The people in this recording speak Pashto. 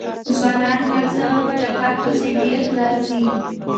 ځوانان نن سبا په چکر پسې ډېر ګرځي.